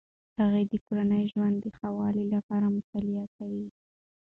هغې د کورني ژوند د ښه والي لپاره مطالعه کوي.